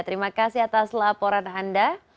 terima kasih atas laporan anda